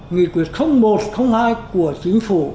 nghị quyết một hai của chính phủ